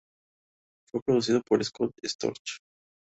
Fue producido por Scott Storch.